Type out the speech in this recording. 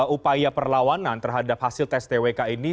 upaya perlawanan terhadap hasil tes twk ini